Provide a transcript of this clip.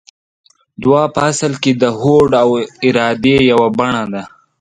دعا په اصل کې د هوډ او ارادې يوه بڼه ده.